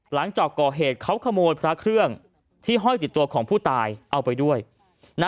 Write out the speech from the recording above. หลังจากก่อเหตุเขาขโมยพระเครื่องที่ห้อยติดตัวของผู้ตายเอาไปด้วยนะ